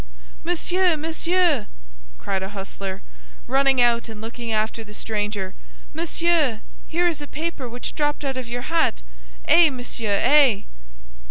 "Monsieur, monsieur!" cried a hostler, running out and looking after the stranger, "monsieur, here is a paper which dropped out of your hat! Eh, monsieur, eh!"